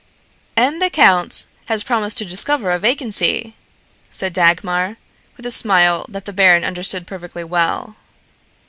"And the count has promised to discover a vacancy," said Dagmar, with a smile that the baron understood perfectly well.